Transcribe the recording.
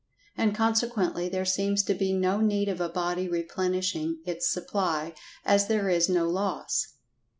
And consequently there seems to be no need of a body replenishing its supply, as there is no loss.